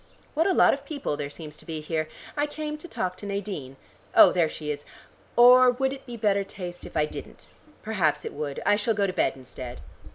What a lot of people there seems to be here! I came to talk to Nadine. Oh, there she is. Or would it be better taste if I didn't? Perhaps it would. I shall go to bed instead."